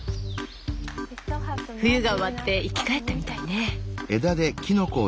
冬が終わって生き返ったみたいね。